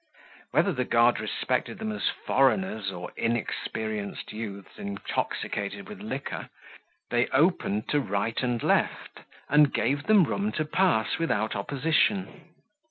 Whether the guard respected them as foreigners, or inexperienced youths intoxicated with liquor, they opened to right and left, and gave them room to pass without opposition.